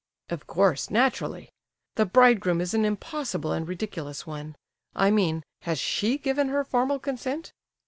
"Of course, naturally. The bridegroom is an impossible and ridiculous one. I mean, has she given her formal consent?"